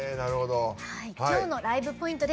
きょうのライブポイント。